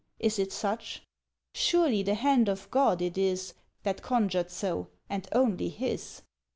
Is it such? "'Surely the hand of God it is That conjured so, and only His!